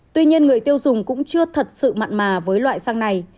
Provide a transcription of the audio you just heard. tuy nhiên người tiêu dùng cũng chưa thật sự mặn mà với loại sang này